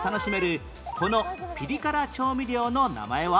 このピリ辛調味料の名前は？